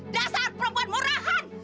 dasar perempuan murahan